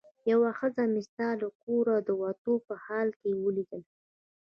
یوه ښځه مې ستا له کوره د وتو په حال کې ولیدله.